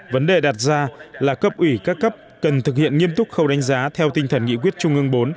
vấn đề đặt ra là cấp ủy các cấp cần thực hiện nghiêm túc khâu đánh giá theo tinh thần nghị quyết trung ương bốn